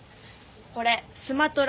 これスマトラ。